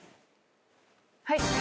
はい！